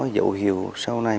dấu hiệu sau này